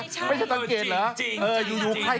จริงเออยูอายุ